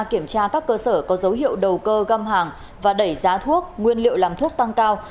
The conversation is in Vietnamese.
kiểm tra các cơ sở có dấu hiệu đầu cơ găm hàng và đẩy giá thuốc nguyên liệu làm thuốc tăng cao